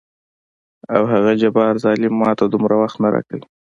او هغه جبار ظلم ماته دومره وخت نه راکوي.